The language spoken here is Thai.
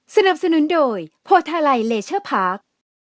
สนับสนุนโดยโพทาไลเลเชอร์พาร์ค